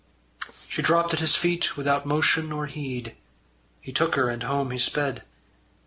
She dropped at his feet without motion or heed; He took her, and home he sped.